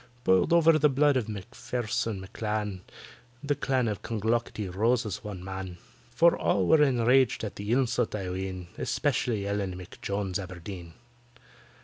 Boiled over the blood of MACPHAIRSON M'CLAN— The Clan of Clonglocketty rose as one man; For all were enraged at the insult, I ween— Especially ELLEN M'JONES ABERDEEN.